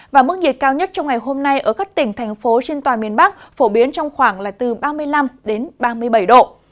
và mức nhiệt cao nhất trong ngày hôm nay ở các tỉnh thành phố trên toàn miền bắc phổ biến trong khoảng là từ ba mươi năm ba mươi bảy độ